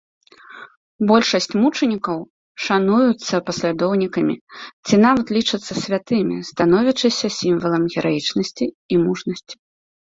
Большасць мучанікаў шануюцца паслядоўнікамі ці нават лічацца святымі, становячыся сімвалам гераічнасці і мужнасці.